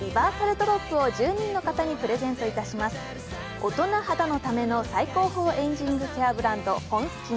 大人肌のための最高峰エイジングケアブランド、フォンスキン。